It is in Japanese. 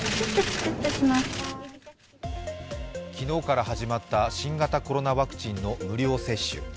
昨日から始まった新型コロナワクチンの無料接種。